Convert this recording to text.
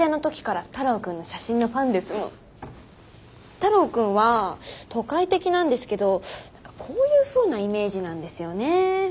太郎君は都会的なんですけどなんかこういうふうなイメージなんですよねー。